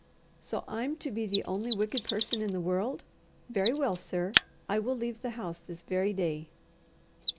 "So I'm to be the only wicked person in the world! Very well, sir! I will leave the house this very day."